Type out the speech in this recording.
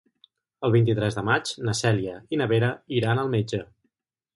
El vint-i-tres de maig na Cèlia i na Vera iran al metge.